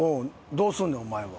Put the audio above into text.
どうすんねんお前は。